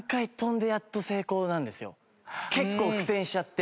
結構苦戦しちゃって。